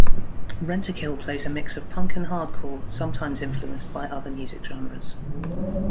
Rentokill plays a mix of punk and hardcore sometimes influenced by other music genres.